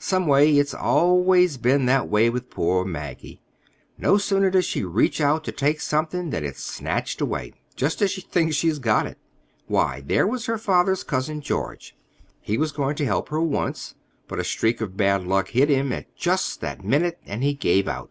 Some way, it's always been that way with poor Maggie. No sooner does she reach out to take something than it's snatched away, just as she thinks she's got it. Why, there was her father's cousin George—he was going to help her once. But a streak of bad luck hit him at just that minute, and he gave out."